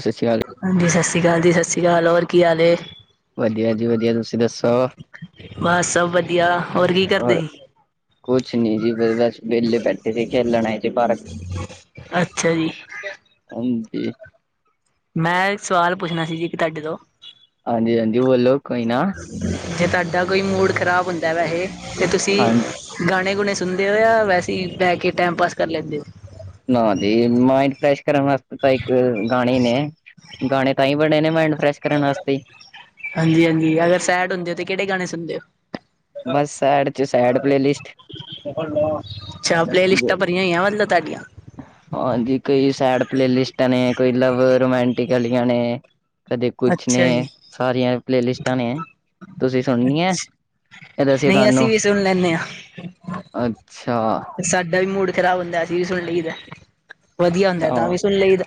ਸਤਿ ਸ਼੍ਰੀ ਅਕਾਲ ਹਾਂਜੀ ਸਤਿ ਸ਼੍ਰੀ ਅਕਾਲ ਜੀ ਸਤਿ ਸ਼੍ਰੀ ਅਕਾਲ ਹੋਰ ਕੀ ਹਾਲ ਏ ਵਧੀਆ ਜੀ ਵਧੀਆ ਤੁਸੀਂ ਦੱਸੋ ਬਸ ਸਭ ਵਧੀਆ ਹੋਰ ਕੀ ਕਰਦੇ ਔਰ ਸੀ ਕੁਛ ਨੀ ਜੀ ਵੇਲੇ ਬਸ ਵੇਲੇ ਬੈਠੇ ਦੇ ਖੇਲਣ ਆਏ ਸੀ ਪਾਰਕ। ਅੱਛਾ ਜੀ। ਹਾਂਜੀ। ਮੈਂ ਇੱਕ ਸਵਾਲ ਪੁੱਛਣਾ ਸੀ ਜੀ ਇੱਕ ਤਾਡੇ ਤੋਂ? ਹਾਂਜੀ -ਹਾਂਜੀ ਬੋਲੋ ਕੋਈ ਨਾ? ਜੇ ਤਾਡਾ ਕੋਈ ਮੂਡ ਖ਼ਰਾਬ ਹੁੰਦਾ ਵੈਹੇ ਤੇ ਤੁਸੀਂ ਹਾਂ ਗਾਣੇ -ਗੁਣੇ ਸੁਣਦੇ ਓ, ਜਾ ਵੈਸੇ ਈ ਬੈ ਕੇ ਟਾਈਮ ਪਾਸ ਕਰ ਲੇਂਦੇ ਓ? ਨਾ ਦੇ ਮਾਈਂਡ ਫ੍ਰੈਸ਼ ਕਰਨ ਵਾਸਤੇ ਤਾਂ ਇੱਕ ਗਾਣੇ ਈ ਨੇ। ਗਾਣੇ ਤਾਂ ਈ ਬਣੇ ਨੇ ਮਾਇੰਡ ਫਰੈਸ਼ ਕਰਨ ਵਾਸਤੇ। ਹਾਂਜੀ -ਹਾਂਜੀ ਅਗਰ ਸੈਡ ਹੁੰਦੇ ਓ ਤੇ ਕੇੜੇ ਗਾਣੇ ਸੁਣਦੇ ਓ? ਬਸ ਸੈਡ ਚ ਸੈਡ ਪਲੇਲਿਸਟ। ਅੱਛਾ, ਪਲੇਲਿਸਟਾਂ ਭਰੀਆਂ ਹੋਈਆਂ ਮਤਲਬ ਤਾਡੀਆਂ? ਹਾਂਜੀ ਕੋਈ ਸੈਡ ਪਲੇਲਿਸਟਾਂ ਨੇ, ਕੋਈ ਲਵ ਰੋਮਾਂਟਿਕ ਵਾਲੀਆਂ ਨੇ। ਕਦੇ ਕੁਛ ਨੇ ਅੱਛਾ ਜੀ ਸਾਰੀਆਂ ਪਲੇਲਿਸਟਾਂ ਨੇ। ਤੁਸੀਂ ਸੁਣਨੀ ਐ, ਅੱਛਾ ਤੇ ਦੱਸੀਏ ਨਹੀਂ ਅਸੀਂ ਤਾਨੂੰ? ਵੀ ਸੁਣ ਲੈਂਦੇ ਹਾਂ ਅੱਛਾ। ਸਾਡਾ ਵੀ ਮੂਡ ਖਰਾਬ ਹੁੰਦਾ ਅਸੀਂ ਵੀ ਸੁਣ ਲਈਏ ਤਾ, ਵੱਧੀਆ ਹੁੰਦਾ ਤਾਂ ਵੀ ਸੁਣ ਲਈਦਾ।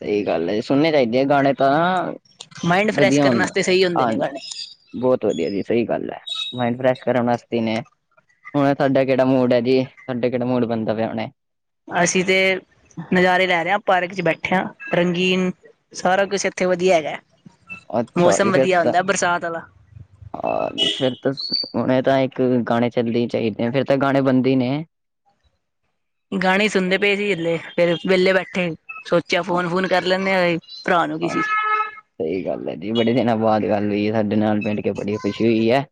ਸੲਈ ਗੱਲ ਐ ਜੀ, ਸੁਣਨੇ ਚਾਈਦੇ ਆ ਗਾਣੇ ਤਾਂ ਮਾਇੰਡ ਫਰੈਸ਼ ਕਰਨ ਵਾਸਤੇ ਸਈ ਹੁੰਦੇ ਨੇ ਗਾਣੇ। ਬੋਤ ਵੱਧੀਆ ਜੀ ਸਈ ਗੱਲ ਆ, ਮਾਇੰਡ ਫਰੈਸ਼ ਕਰਨ ਵਾਸਤੇ ਨੇ। ਹੁਣ ਤਾਡਾ ਕੇੜਾ ਮੂਡ ਆ ਜੀ, ਤਾਡਾ ਕੇੜਾ ਮੂਡ ਬਣਦਾ ਪੇਆ ਹੁਣੇ? ਅਸੀਂ ਤੇ ਨਜ਼ਾਰੇ ਲੈ ਰਏ ਆ, ਪਾਰਕ ਚ ਬੈਠੇ ਆਂ, ਰੰਗੀਨ ਸਾਰਾ ਕੁਛ ਏਥੇ ਵੱਧੀਆ ਹੈਗਾ। ਅੱਛਾ ਜੀ ਮੌਸਮ ਫਿਰ ਵੱਧੀਆ ਤਾਂ ਹੁੰਦਾ ਬਰਸਾਤ ਵਾਲਾ। ਹਾਂ ਬੀਸ਼ਰਤਸ ਹੁਣੇ ਤਾਂ ਇੱਕ ਗਾਣੇ ਚੱਲਦੇ ਚਾਈਦੇ, ਫੇਰ ਤਾਂ ਗਾਣੇ ਬਣਦੇ ਈ ਨੇ। ਗਾਣੇ ਸੁਣਦੇ ਪਏ ਸੀ ਹਲੇ, ਫੇਰ ਵੇਲੇ ਬੈਠੇ ਸੋਚੇਆ ਹਾਂ ਫੋਨ -ਫੂਨ ਕਰ ਲੇਨੇ ਓਏ। ਭਰਾ ਨੂੰ ਕੀ ਸੀ? ਸਈ ਗੱਲ ਏ ਜੀ, ਬੜੇ ਦਿਨਾਂ ਬਾਅਦ ਗੱਲ ਹੋਈ ਏ ਸਾਡੇ ਨਾਲ ਬਿਲਠ ਕੇ ਬੜੀ ਖੁਸ਼ੀ ਹੋਈ ਆ।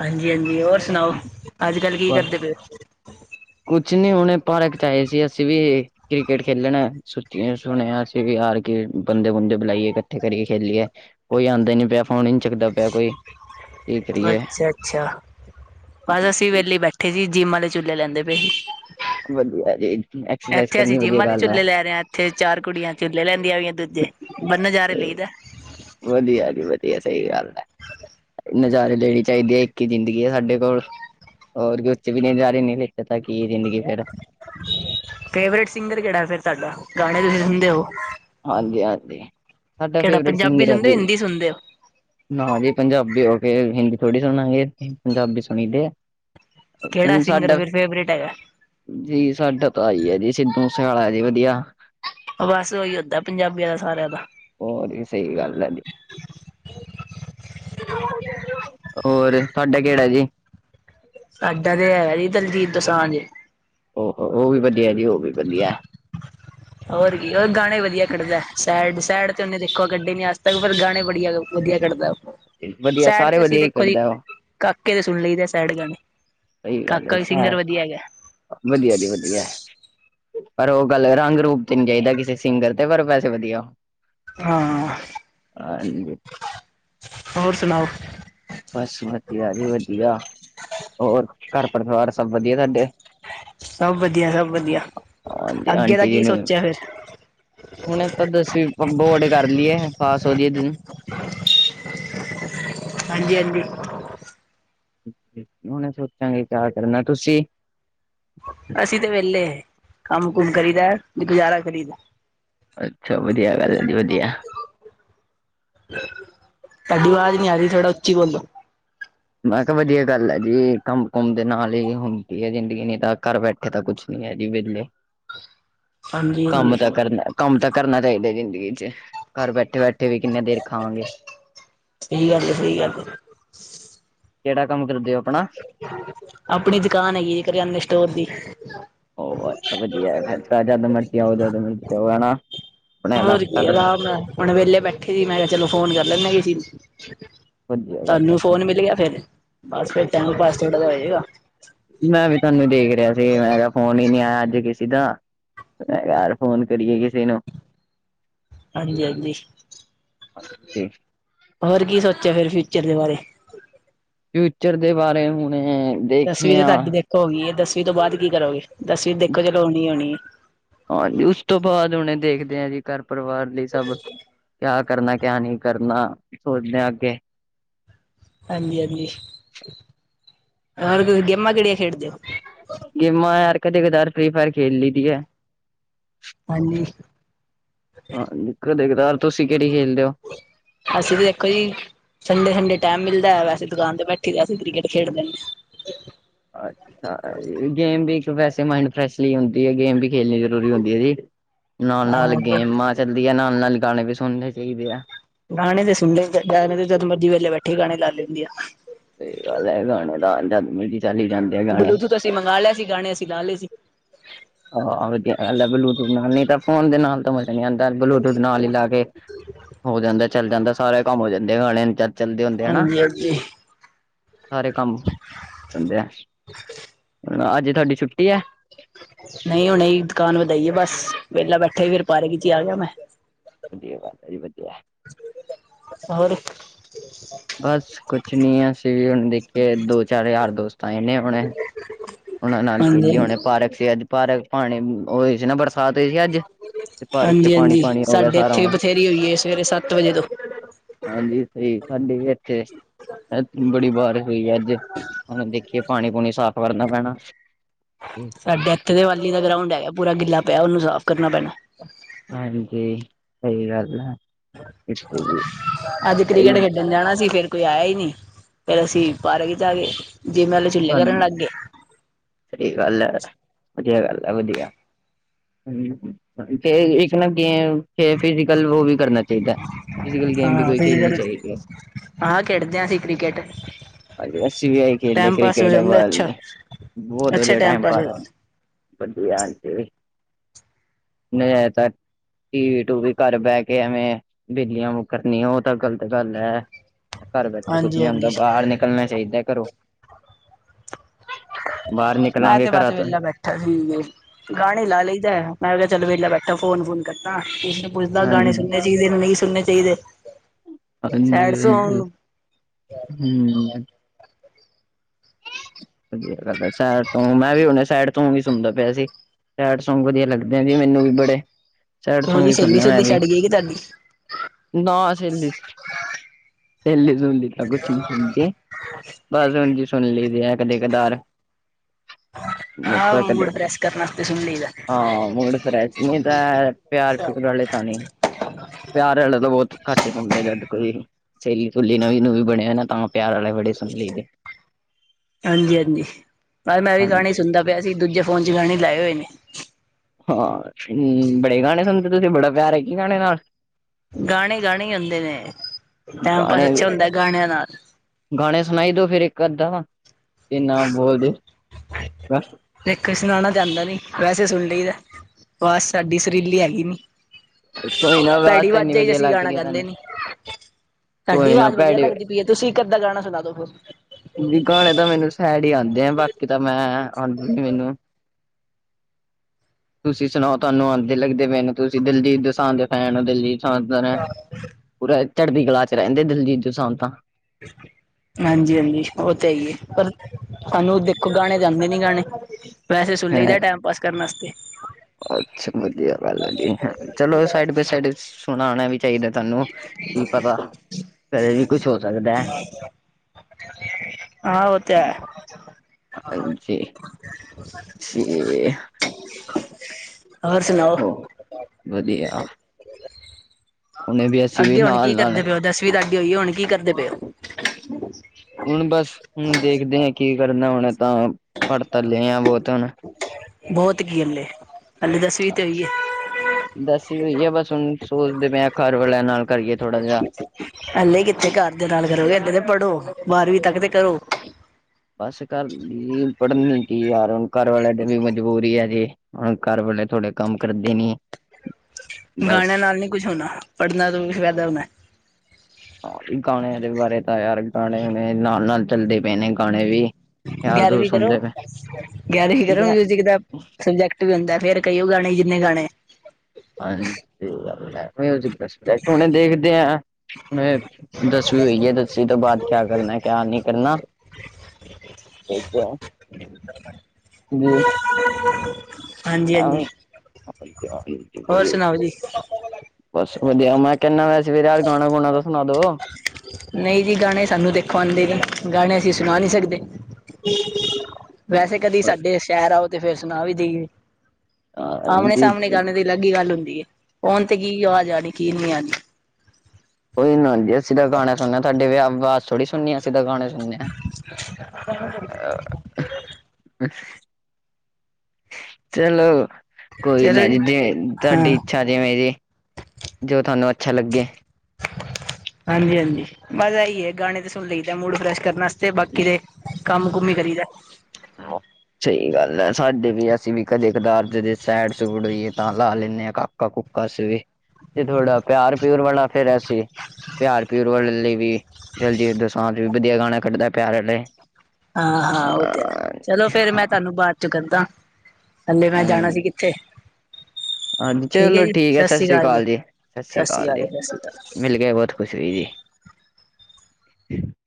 ਹਾਂਜੀ -ਹਾਂਜੀ ਹੋਰ ਸੁਣਾਓ, ਅੱਜ ਕੱਲ੍ਹ ਕੀ ਕਰਦੇ ਪਏ ਓ? ਕੁਛ ਨੀ ਹੁਣੇ ਪਾਰਕ ਚ ਆਏ ਸੀ ਅਸੀਂ ਵੀ ਹਜੇ ਕ੍ਰਿਕਟ ਖੇਲਣ। ਸੁਤੀ ਸੁਣਿਆ ਅਸੀਂ ਵੀ ਹਾਰ ਗਏ ਬੰਦੇ ਬੁੰਦੇ ਬੁਲਾਈਏ ਇਕੱਠੇ ਕਰਏ ਖੇਲੀਏ। ਕੋਈ ਆਂਦਾ ਨੀ ਪਿਆ ਫੋਨ ਹੀ ਨ ਚੱਕਦਾ ਪਿਆ ਕੋਈ ਕੀ ਹੋ ਕਰੀਏ? ਅੱਛਾ ਅੱਛਾ ਬਸ ਅਸੀਂ ਵਿਹਲੇ ਬੈਠੇ ਜਿੰਮ ਵਾਲੇ ਚੁੱਲੇ ਲੈਂਦੇ ਪਏ ਸੀ। ਵਧੀਆ ਜੀ ਐਕਸਰਸਾਈਜ਼ ਕਰਨੀ ਵਧੀਆ ਗੱਲ ਆ। ਉੱਥੇ ਚਾਰ ਕੁੜੀਆਂ ਚੁੇਲੇ ਲੈਂਦੀਆਂ ਹੋਈਆਂ ਦੂਜੇ ਬੰਨਜਾਰੇ ਲਈ ਦਾ। ਵਧੀਆ ਜੀ ਵਧੀਆ, ਸਹੀ ਗੱਲ ਹੈ। ਨਜ਼ਾਰੇ ਲੇਣੇ ਚਾਈਦੇ ਏ, ਇੱਕ ਈ ਜ਼ਿੰਦਗੀ ਏ ਸਾਡੇ ਕੋਲ। ਹੋਰ ਉੱਚੇ ਵੀ ਨਹੀਂ ਜਾ ਰਹੇ ਨੇ ਲੇਖ ਤਾਂ ਕਿ ਜ਼ਿੰਦਗੀ ਫੇਰ ਫੇਵਰੇਟ ਸਿੰਗਰ ਕੇੜਾ ਫੇਰ ਤਾਡਾ, ਗਾਣੇ ਤੁਸੀਂ ਸੁਣਦੇ ਓ? ਹਾਂਜੀ- ਹਾਂਜੀ ਸਾਡਾ ਫੇਵਰੇਟ ਪੰਜਾਬੀ ਸਿੰਗਰ ਆ ਸੁਣਦੇ ਹੋ ਜੀ। ਹਿੰਦੀ ਸੁਣਦੇ ਹੋ ਨਾ ਜੀ ਪੰਜਾਬੀ ਹੋ ਕੇ ਹਿੰਦੀ ਥੋੜ੍ਹੀ ਸੁਣਾਂਗੇ, ਪੰਜਾਬੀ ਸੁਣੀ ਦੇ ਆ। ਕੇੜਾ ਸਿੰਗਰ ਫੇਰ ਫੇਵਰੇਟ ਹੈਗਾ? ਜੀ ਸਾਡਾ ਤਾਂ ਆਈ ਆ ਜੀ, ਸਿੱਧੂ ਮੂਸੇਵਾਲਾ ਜੀ ਵੱਧੀਆ। ਬਸ ਓਹੀ ਹੁੰਦਾਂ ਪੰਜਾਬੀਆਂ ਦਾ ਸਾਰੇਆਂ ਦਾ। ਹੋਰ ਜੀ ਸਹੀ ਗੱਲ ਆ ਜੀ ਹੋਰ ਤੁਹਾਡਾ ਕਿਹੜਾ ਜੀ ਸਾਡਾ ਤੇ ਹੈਗਾ ਜੀ ਦਿਲਜੀਤ ਦੂਸਾਜ ਹੋ ਉਹ ਵੀ ਵਧੀਆ ਜੀ, ਉਹ ਵੀ ਵਧੀਆ [inaudible] ਹੋਰ ਕੀ ਗਾਣੇ ਵਧੀਆ ਕੱਢਦਾ ਸੈਡ ਸੈਡ ਤੇ ਉਹਨੇ ਦੇਖੋ ਕੱਢੇ ਨੀ ਅੱਜ ਤੱਕ ਪਰ ਗਾਣੇ ਵਧੀਆ ਵਧੀਆ ਕਢਦਾ ਉਹ ਵਧੀਆ ਸੈਡ ਸਾਰੇ ਤੇ ਅਸੀਂ ਵਧੀਆ ਹੀ ਦੇਖੋ ਜੀ ਕੱਢਦਾ ਉਹ ਕਾਕੇ ਦੇ ਸੁਣ ਲਈ ਦੇ ਆ ਸੈਡ ਗਾਣੇ ਸਹੀ ਗੱਲ ਕਾਕਾ ਵੀ ਸਿੰਗਰ ਐ, ਵਧੀਆ ਹੈਗਾ ਵਧੀਆ ਜੀ ਵਧੀਆ ਪਰ ਉਹ ਗੱਲ ਰੰਗ ਰੂਪ ਤੇ ਨਹੀਂ ਚਾਹੀਦਾ ਕਿਸੇ ਸਿੰਗਰ ਤੇ ਪਰ ਵੈਸੇ ਵਧੀਆ ਉਹ ਹਾਂ, ਹੋਰ ਸੁਣਾਓ ਬਸ ਵਧੀਆ ਜੀ, ਵਧੀਆ ਹੋਰ ਘਰ ਪਰਿਵਾਰ ਸਭ ਵਧੀਆ ਤੁਹਾਡੇ ਸਭ ਵਧੀਆ, ਸਭ ਵਧੀਆ ਹਾਂਜੀ ਅੱਗੇ ਦਾ ਕੀ ਸੋਚਿਆ ਫੇਰ ਹੁਣ ਇਹ ਤਾਂ ਦਸਵੀਂ ਬੋਰਡ ਕਰ ਲਈਏ ਪਾਸ ਹੋ ਜੀਏ [unintelligible] ਹਾਂਜੀ, ਹਾਂਜੀ ਹੁਣ ਸੋਚਾਂਗੇ ਕਿਆ ਕਰਨਾ ਤੁਸੀਂ ਅਸੀਂ ਤੇ ਵੇਹਲੇ ਕੰਮ ਕੁਮ ਕਰੀ ਦਾ ਵੀ ਗੁਜ਼ਾਰਾ ਕਰੀ ਦੇ ਅੱਛਾ ਵਧੀਆ ਗੱਲ ਐ ਜੀ ਵਧੀਆ ਥਾਡੀ ਅਵਾਜ਼ ਨੀ ਆ ਰਹੀ ਥੋੜਾ ਉੱਚੀ ਬੋਲੋ ਮੈਂ ਕਿਹਾ ਵਧੀਆ ਗੱਲ ਆ ਜੀ ਕੰਮ ਕੁੰਮ ਦੇ ਨਾਲ ਹੀ ਹੁੰਦੀ ਐ ਜ਼ਿੰਦਗੀ ਨਹੀ ਤਾਂ ਘਰ ਬੈਠੇ ਠੇ ਤਾਂ ਕੁੱਛ ਨੀ ਹੈ ਜੀ ਵੇਹਲੇ [inaudible] ਹਾਂਜੀ ਕੰਮ ਤਾਂ ਕਰਨਾ ਕੰਮ ਤਾਂ ਕਰਨਾ ਚਾਹੀਦਾ ਜ਼ਿੰਦਗੀ ਚ ਘਰ ਬੈਠੇ-ਬੈਠੇ ਵੀ ਕਿੰਨੀ ਦੇਰ ਖਾਵਾਂਗੇ ਸਹੀ ਗੱਲ ਐ, ਸਹੀ ਗੱਲ ਐ ਕਿਹੜਾ ਕੰਮ ਕਰਦੇ ਹੋ? ਆਪਣਾ ਆਪਣੀ ਦੁਕਾਨ ਹੈਗੀ ਆ ਜੀ ਕਰਿਆਨੇ ਸਟੋਰ ਦੀ। ਉਹ ਅੱਛਾ ਵਧੀਆ ਫੇਰ ਤਾਂ ਜਦ ਮਰਜ਼ੀ ਆਓ ਜਦ ਮਰਜ਼ੀ ਜਾਓ ਹਨਾ ਆਪਣੇ ਹੋਰ ਇਲਾਕਾ ਕਿ ਅਰਾਮ ਨਾਲ ਹੁਣ ਵੇਹਲੇ ਬੈਠੇ ਦੀ ਮੈਂ ਕਿਹਾ ਚਲੋ ਫੋਨ ਕਰ ਲੈਣੇ ਆ ਕਿਸੀ ਨੂੰ ਵਧੀਆ ਗੱਲ ਹੈ ਤੁਹਾਨੂੰ ਫੋਨ ਜੀ। ਮਿਲ ਗਿਆ ਫੇਰ ਬਸ ਫੇਰ ਟਾਈਮ ਪਾਸ ਥੋੜਾ ਜਾ ਹੋਏਗਾ ਮੈਂ ਵੀ ਤੁਹਾਨੂੰ ਦੇਖ ਰਿਹਾ ਸੀ ਮੈਂ ਕਿਹਾ ਫੋਨ ਹੀ ਨੀ ਆਇਆ ਅੱਜ ਕਿਸੀ ਦਾ ਮੈਂ ਕਿਹਾ ਯਾਰ ਫੋਨ ਕਰੀਏ ਕਿਸੇ ਨੂੰ ਹਾਂਜੀ, ਹਾਂਜੀ ਹੋਰ ਕੀ ਸੋਚਿਆ ਫੇਰ ਫਿਊਚਰ ਦੇ ਬਾਰੇ ਫਿਊਚਰ ਦੇ ਬਾਰੇ ਹੁਣੇ ਦਸਵੀਂ ਦੇਖਣੇ ਤੇ ਆ ਤੁਹਾਡੀ ਦੇਖੋਗੀ ਹੋ ਗਈ ਐ ਦਸਵੀਂ ਤੋਂ ਬਾਅਦ ਕੀ ਕਰੋਗੇ ਦਸਵੀਂ ਦੇਖੋ ਚਲੋ ਹੋਣੀ ਹੀ ਹੋਣੀ ਐ। ਹਾਂਜੀ, ਉਸ ਤੋਂ ਬਾਅਦ ਹੁਣੇ ਦੇਖਦੇ ਆ ਜੀ ਘਰ ਪਰਿਵਾਰ ਲਈ ਸਭ ਕਿਆ ਕਰਨਾ, ਕਿਆ ਨਹੀਂ ਕਰਨਾ ਸੋਚਦੇ ਆ ਅੱਗੇ ਹਾਂਜੀ, ਹਾਂਜੀ ਹੋਰ ਗ ਗੇਮਾਂ ਕਿਹੜੀਆਂ ਖੇਡਦੇ ਹੋ ਗੇਮਾਂ ਯਾਰ ਕਦੇ ਕਦਾਰ ਫਰੀ ਫਾਇਰ ਖੇਡ ਲਈ ਦੀ ਐ। ਹਾਂਜੀ ਕਦੇ ਕਦਾਰ ਤੁਸੀਂ ਕਿਹੜੀ ਖੇਲਦੇ ਹੋ? ਅਸੀਂ ਵੀ ਦੇਖੋ ਜੀ ਸੰਡੇ ਸੰਡੇ ਟਾਈਮ ਮਿਲਦਾ ਐ ਵੈਸੇ ਦੁਕਾਨ ਤੇ ਬੈਠੀ ਅਸੀਂ ਕ੍ਰਿਕਟ ਖੇਡਦੇ ਆ। ਅੱਛਾ ਜੀ ਗੇਮ ਵੀ ਇੱਕ ਵੈਸੇ ਮਾਇੰਡ ਫਰੈਸ਼ ਲਈ ਹੁੰਦੀ ਐ ਗੇਮ ਵੀ ਖੇਲ ਜਰੂਰੀ ਹੁੰਦੀ ਐ ਜੀ ਨਾਲ-ਨਾਲ ਹਾਂ ਗੇਮਾਂ ਚੱਲਦੀ ਐ ਨਾਲ-ਨਾਲ ਗਾਣੇ ਵੀ ਸੁਣਨੇ ਚਾਹੀਦੇ ਆ ਗਾਣੇ ਤੇ ਸੁਣੇ ਗਾਣੇ ਜਦ ਮਰਜ਼ੀ ਵੇਹਲੇ ਬੈਠੇ ਗਾਣੇ ਲਾ ਲੈਂਦੀ ਆ ਸਹੀ ਗੱਲ ਐ ਗਾਣੇ ਤਾਂ ਜਦ ਮਰਜੀ ਚੱਲ ਹੀ ਜਾਂਦੇ ਆ ਗਾਣੇ ਬਲੂਥੂਥ ਅਸੀਂ ਮੰਗਵਾ ਲਿਆ ਸੀ ਗਾਣੇ ਅਸੀਂ ਲਾ ਲਏ ਸੀ। ਆਹੋ ਵਧੀਆ ਗੱਲ ਹੈ ਬਲੂਟੂਥ ਨਾਲ ਨਹੀਂ ਤਾਂ ਫੋਨ ਦੇ ਨਾਲ ਤਾਂ ਮਜ਼ਾ ਨਹੀਂ ਆਉਂਦਾ ਬਲੂਟੂਥ ਨਾਲ ਹੀ ਲਾ ਕੇ ਹੋ ਜਾਂਦਾ ਚੱਲ ਜਾਂਦਾ ਸਾਰੇ ਕੰਮ ਹੋ ਜਾਂਦੇ ਗਾਣੇ ਚੱਲਦੇ ਹੁੰਦੇ ਹਨਾ ਹਾਂਜੀ [unintelligible] ਸਾਰੇ ਕੰਮ ਹੁੰਦੇ ਆ ਅੱਜ ਤੁਹਾਡੀ ਛੁੱਟੀ ਹੈ। ਨਹੀਂ ਹੁਣੇ ਹੀਂ ਦੁਕਾਨ ਵਧਈਏ ਬਸ ਵੇਹਲਾ ਬੈਠੇ ਹੀ ਫੇਰ ਪਾਰਕ ਚ ਹੀ ਆ ਗਿਆ ਮੈਂ ਦੇ ਵੱਧ ਵਿ ਵਧੀਆ ਹੋਰ ਬਸ ਕੁਛ ਨੀ ਅਸੀਂ ਵੀ ਹੁਣ ਦੇਖੇ ਦੋ ਚਾਰ ਯਾਰ ਦੋਸਤ ਆਏ ਨੇ ਹੁਣੇ [unintelligible] ਉਹਨਾਂ ਨਾਲ ਹਾਂਜੀ ਖੇਲੀ ਹਾਂਜੀ ਹੋਣੇ ਪਾਰਕ ਸੀ ਅੱਜ ਪਾਰਕ ਪਾਣੀ ਹੋਈ ਸੀ ਨਾ ਬਰਸਾਤ ਹੋਈ ਸੀ ਅੱਜ ਤੇ ਪਾਰਕ ਚ ਹਾਂਜੀ ਪਾਣੀ ਹਾਂਜੀ ਪਾਣੀ ਹੋ ਗਿਆ ਸਾਡੇ ਸਾਰਾ ਇੱਥੇ ਵੀ ਹੁਣ ਬਥੇਰੀ ਹੋਈ ਸਵੇਰੇ ਸੱਤ ਵਜੇ ਤੋਂ [unintelligible] ਹਾਂਜੀ ਸਹੀ ਸਾਡੇ ਵੀ ਇੱਥੇ ਬੜੀ ਬਾਰਿਸ਼ ਹੋਈ ਆ ਅੱਜ ਹੁਣ ਦੇਖੀਏ ਪਾਣੀ ਪੂਣੀ ਸਾਫ਼ ਕਰਨਾ ਪੈਣਾ ਸਾਡੇ ਇਥੇ ਦਿਵਾਲੀ ਦਾ ਗਰਾਉਂਡ ਹੈਗਾ ਪੂਰਾ ਗਿੱਲਾ ਪਿਆ ਉਹਨੂੰ ਸਾਫ਼ ਕਰਨਾ ਪੈਣਾ ਹਾਂਜੀ ਸਹੀ ਗੱਲ ਆ ਅੱਜ ਕ੍ਰਿਕਟ ਖੇਡਣ ਜਾਣਾ ਸੀ ਫੇਿਰ ਕੋਈ ਆਇਆ ਹੀ ਨੀ ਫੇਰ ਅਸੀਂ ਪਾਰਕ ਚ ਆ ਗਏ ਜੇ ਮੈ ਹਾਂ, ਸਹੀ ਗੱਲ ਹੈ ਵਧੀਆ ਗੱਲ ਹੈ ਵਧੀਆ ਫੇਰ ਇੱਕ ਨਾ ਗਿਆ ਫਿਜੀਕਲ ਉਹ ਵੀ ਕਰਨਾ ਚਾਹੀਦਾ ਫਿਜ਼ਕਲ ਗੇਮ ਵੀ ਹਾਂ ਕੋਈ ਖੇਲਣੀ ਫਿਜ਼ਕਲ ਚਾਹੀਦੀ ਹੈ ਹਾਂ ਖੇਡਦੇ ਆ ਅਸੀ ਵੀ ਇਹੀ ਖੇਲ ਟਾਈਮ ਕ੍ਰ ਪਾਸ ਹੋ ਜਾਂਦਾ ਡਵੱਲ ਅੱਛਾ ਬਹੁਤ ਅੱਛਾ ਵਧੀਆ ਟਾਈਮ ਹੋ ਪਾਸ ਹੈ ਜਾਂਦਾ ਵਧੀਆ ਨਹੀਂ ਇਹ ਤਾਂ ਟੀ ਟੂਵੀ ਘਰ ਬਹਿ ਕੇ ਐਵੇਂ ਬਿੱਲੀਆਂ ਮੁੱਕਰਨੀਆਂ ਉਹ ਤਾਂ ਗ਼ਲਤ ਗੱਲ ਹੈ ਘਰ ਬੈਠੇ ਕੁਛ ਹਾਂਜੀ ਨੀ ਹਾਂਜੀ ਹੁੰਦਾ ਬਾਹਰ ਨਿਕਲਣਾ ਚਾਹੀਦਾ ਘਰੋਂ ਬਾਹਰ ਮੈਂ ਨਿਕਲਾਂਗੇ ਤੇ ਬਸ ਘਰਾਂ ਤੋਂ ਵੇਹਲਾ ਬੈ ਅੱਛਾ ਠੀਕ ਗਾਣੇ ਲਾ ਲਈ ਦਾ ਮੈਂ ਕਿਹਾ ਚਲੋ ਵੇਲ ਬੈਠਾ ਫੋਨ ਫੋਨ ਕਰਤਾ ਪੁੱਛਦਾ ਗਾਣੇ ਹਾਂਜੀ ਸੁਣਨੇ ਚਾਹੀਦੇ ਨਹੀਂ ਸੁਣਨੇ ਚਾਹੀਦੇ ਹਾਂਜੀ ਸੈਡ ਹੈਗਾ ਸੌਂਗ [unintelligible] ਵਧੀਆ ਗੱਲ ਸੁਣਦਾ ਵੀ ਉਹਨੇ ਸਾਈਡ ਸੋਂਗ ਵੀ ਸੁਣਦਾ ਪਿਆ ਸੀ ਸੈਡ ਸੌਗ ਵਧੀਆ ਲੱਗਦੇ ਜ ਮੈਨੂੰ ਵੀ ਬੜੇ ਸੈਡ ਇਹੋ ਸੋਂਗ ਜਿਹੀ ਵੀ ਸਹੇਲੀ ਸੁਣਨਾ ਮੈਂ ਸੁਹਲੀ ਵਿ ਛੱਡ ਗਈ ਕਿ ਤੁਹਾਡੀ ਨਾ ਸੀ ਲਿਸਟ ਲਿਸਟ ਸੁਣ ਲ ਕੁਛ ਨੀ ਸੁਣਦੇ ਬਸ ਹੁਣ ਜ ਸੁਣ ਲਈਦੇ ਆ ਕਦੇ ਕਦਾਰ [unintelligible] ਆਹ ਹਾਂ, ਮੂਡ ਫਰੈਸ਼ ਕਰਨ ਵਾਸਤੇ ਸੁਣ ਲਈਦਾ ਹੁਣ ਤਾ ਏ [unintelligible] ਪਿਆਰ ਪਿਰ ਵਾਲੇ ਤਾਂ ਨਹੀਂ ਪਿਆਰ ਵਾਲੇ ਤਾਂ ਬਹੁਤ ਖੱਟ ਹੁੰਦੇ ਜਦ ਕੋਈ ਸਹੇਲੀ ਸੁਲੀ ਨਵੀਂ ਨੂੰਵਂ ਬਣਿਆ ਨਾ ਤਾਂ ਪਿਆਰ ਵਾਲੇ ਬੜੇ ਸੁਣ ਲਈਦੇ ਹਾਂਜੀ ਹਾਂਜੀ ਆ ਮੈਂ ਉਹ ਵੀ ਗਾਣੇ ਹਾਂਜੀ ਸੁਣਦਾ ਪਿਆ ਸੀ ਦੂਜੇ ਫੋਨ ਚ ਗਾਣੇ ਲਾਏ ਹੋਏ ਨੇ ਹਾਂ ਬੜੇ ਗਾਣੇ ਸੁਣਦੇ ਤੁਸੀਂ ਬੜਾ ਪਿਆਰ ਹੈ ਏਕ ਹਿ ਗਾਣੇ ਨਾਲ ਗਾਣੇ ਗਾਣੇ ਹੀ ਹੁੰਦੇ ਨੇ ਟਾਈਮ ਪਾਸ ਗਾਣੇ ਅੱਛਾ ਹੁੰਦਾ ਗਾਣਿਆਂ ਨਾਲ ਗਾਣੇ ਸੁਣਾਈ ਦੋ ਫੇਿਰ ਇੱਕ ਅੱਧਾ ਵਾ ਕਿਨਾ ਬੋਲਦੇ ਬਸ ਦੇਖ ਸੁਣਾਉਣਾ ਚਾਂਦਾ ਨੀ ਵੈਸੇ ਸੁਣ ਲਈਦਾ ਆਵਾਜ਼ ਸਾਡੀ ਸੁਰੀਲੀ ਹੈਗੀ ਨੀ ਕੋਈ ਨਾ ਆਵਾਜ਼ ਭੈੜੀ ਤਾਂ ਇੰਨੀ ਅਵਾਜਾਂ ਵਧੀਆ ਅਸੀਂ ਲੱਗ ਗਾਣਾ ਰਹੀ ਹੈ ਗਾਂਦੇ ਤੁਹਾਨੂੰ ਨੀ। ਤਾਂਡੀ ਕੋਈ ਨਾ ਆਵਾਜ਼ ਵਧੀਆ ਭੈੜੇ ਲੱਗਦੀ ਪਈ ਐ ਤੁਸੀਂ ਇੱਕ ਅੱਧਾ ਗਾਣਾ ਸੁਣਾ ਦੋ ਕੋਈ। ਗਾਣੇ ਤਾਂ ਮੈਨੂੰ ਸੈਡ ਈ ਆਂਦੇ ਆ ਬਾਕੀ ਤਾਂ ਮੈਂ ਆਂਦੇ ਨੀ ਮੈਨੂੰ। ਤੁਸੀਂ ਸੁਣਾਓ ਤੁਹਾਨੂੰ ਆਂਦੇ ਲੱਗਦੇ ਪਏ ਨੇ ਤੁਸੀਂ ਦਿਲਜੀਤ ਦੋਸਾਂਝ ਦੇ ਫੈਨ ਓ ਦਿਲਜੀਤ ਦੋਸਾਂਝ ਪੂਰਾ ਚੜਦੀ ਕਲਾ ਚ ਰਹਿੰਦੇ ਦਿਲਜੀਤ ਦੋਸਾਂਝ ਤਾਂ। [inaudible] ਹਾਂਜੀ ਹਾਂਜੀ, ਓ ਤਾਂ ਹੈਈ ਐ ਪਰ ਸਾਨੂੰ ਦੇਖੋ ਗਾਣੇ ਤਾਂ ਆਂਦੇ ਨੀ ਗਾਣੇ। ਵੈਸੇ ਸੁਣ ਹੈ ਲਈਦਾ ਟੈਮ ਪਾਸ ਕਰਨ ਵਾਸਤੇ। ਅੱਛਾ ਵਧੀਆ ਗੱਲ ਐ ਜੀ ਚਲੋ ਸਾਈਡ ਬਾਏ ਸਾਈਡ ਸੁਣਾਣਾ ਵੀ। ਚਾਈਦਾ ਤੁਹਾਨੂੰ ਕੀ ਪਤਾ ਕਦੇ ਵੀ ਕੁਛ ਹੋ ਸਕਦਾ। ਹਾਂ ਓ ਤੇ ਹੈ। ਹਾਂਜੀ ਜੀ। ਹੋਰ ਸੁਣਾਓ? ਹੋ ਵਧੀਆ। ਹੁਣੇ ਵੀ ਅਸੀਂ ਵੀ ਅੱਗੇ ਹੁਨ ਕੀ ਨਾਲ ਨਾਲ ਕਰਦੇ ਪਏ ਓ ਦਸਵੀਂ ਤਾਂ ਅੱਗੇ ਹੋਈਏ ਹੁਨ ਕੀ ਕਰਦੇ ਪਏ ਓ। ਹੁਨ ਬਸ ਹੁਨ ਦੇਖਦੇ ਆ ਕੀ ਕਰਨਾ ਹੁਨ ਤਾਂ। ਪੜ ਤਾਂ ਲਏ ਆ ਬੋਤ ਹੁਨ। ਬਹੁਤ ਕੀ ਹਲੇ। ਹਲੇ ਦਸਵੀਂ ਤੇ ਹੋਈ ਹੈ ਬਸ ਵੀ ਬਈਆ ਬਸ ਹੁਣ ਸੋਚਦੇ ਪਏ ਆ ਘਰ ਵਾਲਿਆਂ ਨਾਲ ਕਰੀਏ ਥੋੜਾ ਜਾ। ਹਾਲੇ ਕਿੱਥੇ ਘਰ ਦੇ ਨਾਲ ਕਰੋਗੇ ਹਾਲੇ ਤੇ ਪੜ੍ਹੋ ਬਾਰਵੀਂ ਤੱਕ ਤੇ ਕਰੋ। ਬਸ ਘਰ ਦੀ ਪੜ੍ਹਨੀ ਕੀ ਯਾਰ ਹੁਨ ਘਰ ਵਾਲਿਆਂ ਦੀ ਵੀ ਮਜਬੂਰੀ ਐ ਜੀ। ਹੁਨ ਘਰ ਵਾਲੇ ਥੋੜੇ ਕੰਮ ਕਰਦੇ ਨੀ। ਬਸ। ਗਾਣਿਆਂ ਨਾਲ ਨੀ ਕੁਛ ਹੋਣਾ ਪੜ੍ਹਨਾ ਤਾਂ ਫਾਇਦਾ ਹੋਣਾ। ਹਾਂ, ਗਾਣਿਆਂ ਦੇ ਬਾਰੇ ਤਾਂ ਯਾਰ ਗਾਣੇ ਹੁਨੇ ਨਾਲ ਨਾਲ ਚੱਲਦੇ ਪਏ ਨੇ ਗਾਣੇ ਵੀ। ਯਾਰ ਗਿਆਰਵੀਂ ਦੋਸਤ ਕਰੋ ਸੁਣਦੇ ਪਏ ਗਿਆਰਵੀਂ ਠੀਕ ਕਰੋ ਹੈ ਮਿਊਜਿਕ ਦਾ ਸਬਜੈਕ ਟ ਵੀ ਹੁੰਦਾ ਫੇਰ ਗਾਈਓ ਗਾਣੇ ਜਿੰਨੇ ਗਾਣੇ। ਹਾਂਜੀ ਸਈ ਗੱਲ ਐ ਮਿਊਜ਼ਿਕ ਦਾ ਸਬਜੈਕਟ ਹੁਨੇ ਦੇਖਦੇ ਆ। ਹੁਨੇ ਦਸਵੀਂ ਹੋਈ ਐ ਦਸਵੀਂ ਤੋਂ ਬਾਅਦ। ਕਿਆ ਕਰਨਾ ਕਿਆ ਨੀ ਕਰਨਾ ਠੀਕ ਐ। ਜੀ ਹਾਂਜੀ ਹਾਂਜੀ ਹੋਰ [unintelligible] ਸੁਣਾਓ ਜੀ ਬਸ ਵਧੀਆ ਮੈਂ ਕਹਿਣਾ ਪਏ ਸੀ ਯਾਰ ਗਾਣਾ ਗੁਣਾ ਤਾਂ ਸੁਣਾ ਦੋ। ਨਈ ਜੀ, ਗਾਣੇ ਸਾਨੂੰ ਦੇਖੋ ਆਂਦੇ ਨੀ ਗਾਣੇ ਅਸੀਂ ਸੁਣਾ ਨੀ ਸਕਦੇ। ਵੈਸੇ ਕਦੀ ਸਾਡੇ ਸ਼ਹਿਰ ਆਓ ਤੇ ਫੇਰ ਸੁਣਾ ਵੀ ਦਈਏ ਆਮਣੇ ਸਾਹਮਣੇ ਗਾਣੇ ਦੀ, ਅਲੱਗ ਈ ਗੱਲ ਹੁੰਦੀ ਐ ਫੋਨ ਤੇ ਕੀ ਆਵਾਜ਼ ਆਨੀ ਕੀ ਨੀ ਆਨੀ। ਕੋਈ ਨਾ ਜਾ ਅਸੀਂ ਤਾਂ ਗਾਣਾ ਸੁਣਨਾ ਤੁਆਡੇ [unintelligible] ਥੋੜ੍ਹੀ ਸੁਣਨੀ ਆ ਅਸੀ ਤਾਂ ਗਾਣੇ ਸੁਣਨੇ ਆ। ਚਲੋ ਕੋਈ ਨਾ ਜੀ ਜਿਵੇਂ ਤੁਹਾਡੀ ਹਾਂ ਇੱਛਾ ਜਿਵੇਂ ਜੀ। ਜੋ ਤੁਹਾਨੂੰ ਅੱਛਾ ਲੱਗੇ। ਹਾਂਜੀ, ਹਾਂਜੀ ਬਸ ਇਹੀ ਐ ਗਾਣੇ ਤਾਂ ਸੁਣ ਲਈ ਦਾ ਮੂਡ ਫਰੈਸ਼ ਕਰਨਾ ਵਾਸਤੇ। ਤੇ ਬਾਕੀ ਤੇ ਕੰਮ ਕੁਮ ਈ ਕਰੀਦਾ। ਸਈ ਗੱਲ ਐ ਸਾਡੇ ਵੀ ਅਸੀਂ ਵੀ ਕਦੇ ਕਦਾਰ ਜਦ ਸੈਡ ਸੂਡ ਹੋਈਏ ਤਾਂ ਲਾ ਲੈਨੇ ਆ ਕਾਕਾ ਕੂਕਾ। ਅਸੀਂ ਵੀ ਜੇ ਥੋੜਾ ਪਿਆਰ ਪਿਊਰ ਵਾਲਾ ਫੇਰ ਅਸੀਂ ਪਿਆਰ ਪਿਊਰ ਵਾਲੇ ਲਈ ਵੀ ਦਲਜੀਤ ਦੋਸਾਂਝ ਵੀ ਵਧੀਆ ਗਾਣਾ ਕੱਢਦਾ ਪਿਆਰ ਆਲੇ। ਹਾਂ ਹਾਂ, ਓ ਤੇ ਹੈ ਚਲੋ ਫੇਰ ਮੈਂ ਤੁਹਾਨੂੰ ਬਾਅਦ ਚ ਕਰਦਾ। ਹਲੇ ਮੈਂ ਜਾਣਾ ਸੀ ਕਿੱਥੇ। ਹਾਂਜੀ, ਚਲੋ ਠੀਕ ਐ ਸਤਿ ਸ੍ਰੀ ਅਕਾਲ ਜੀ, ਸਤਿ ਸ਼੍ਰੀ ਅਕਾਲ ਜੀ ਮਿਲਗੇ ਬੋਤ। ਕੁਛ ਵੀ ਜ